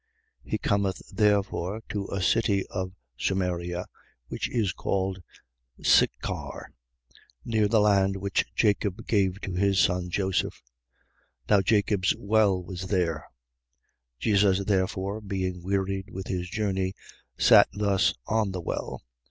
4:5. He cometh therefore to a city of Samaria, which is called Sichar, near the land which Jacob gave to his son Joseph. 4:6. Now Jacob's well was there. Jesus therefore, being wearied with his journey, sat thus on the well.